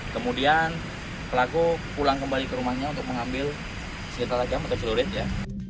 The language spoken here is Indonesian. kemudian pelaku pulang kembali ke rumahnya untuk mengambil senjata tajam atau celurin ya